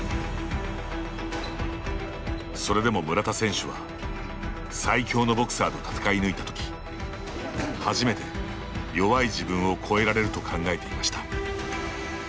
それでも、村田選手は最強のボクサーと闘い抜いたとき初めて弱い自分を超えられると考えていました。